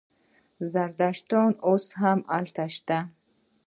زردشتیان اوس هم هلته شته.